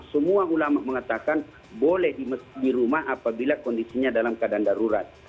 semua ulama mengatakan boleh di rumah apabila kondisinya dalam keadaan darurat